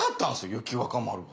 雪若丸が。